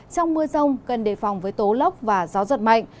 trong mưa rông cần đề phòng với tố lốc và gió giật mạnh